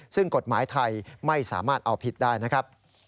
ซึ่งกฎหมายไทยไม่สามารถเอาผิดได้นะครับ